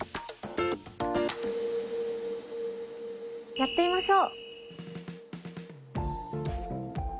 やってみましょう。